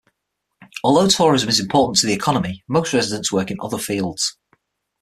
Although tourism is important to the economy, most residents work in other fields.